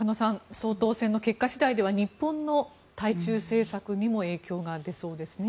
総統選の結果次第では日本の対中政策にも影響が出そうですね。